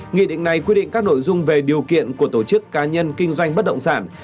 nghị định này quy định các nội dung về điều kiện của tổ chức cá nhân kinh doanh bất động sản